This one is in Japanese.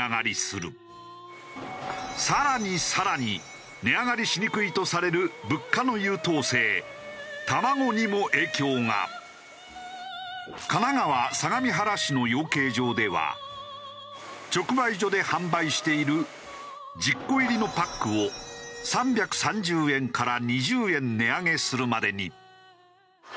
更に更に値上がりしにくいとされる神奈川相模原市の養鶏場では直売所で販売している１０個入りのパックを３３０円から２０円値上げするまでに。